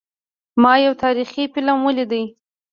ما پرون یو تاریخي فلم ولید